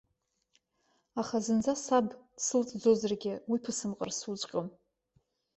Аха зынӡа саб дсылҵӡозаргьы, уи ԥысымҟар суҵәҟьом.